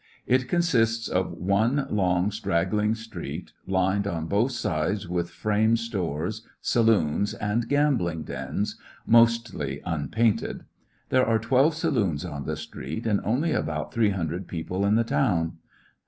It consists of one long, straggling street, lined on both sides with frame stores, 116 ^jssionar^ in tge Great West saloons, and gambling dens^ mostly tnipalnted. Thei'e are twelve saloons on the street and only about three hiindred people in the town.